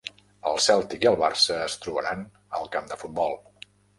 El Cèltic i el Barça es trobaran al camp de futbol